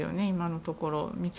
今のところは。